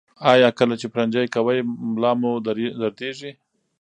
ایا کله چې پرنجی کوئ ملا مو دردیږي؟